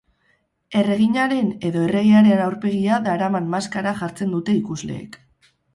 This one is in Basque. Erreginaren edo erregearen aurpegia daraman maskara jartzen dute ikusleek.